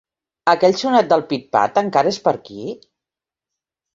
Aquell sonat del Pit-Pat encara és per aquí?